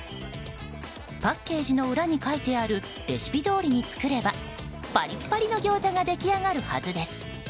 パッケージの裏に書いてあるレシピどおりに作ればパリッパリのギョーザが出来上がるはずです。